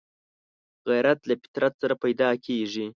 غیرت له فطرت سره پیدا کېږي